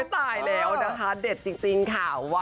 ตายแล้วนะคะเด็ดจริงค่ะ